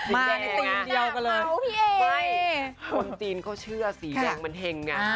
ในทีมเดียวกันเลยไม่คนจีนเขาเชื่อสีแดงมันเห็งไง